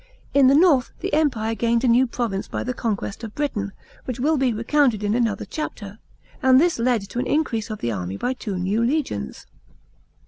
In the north tlie Empire gained a new province by the conquest of Britain, which will be recounted in another chapter ; and this led to an increase of the army by two new legions.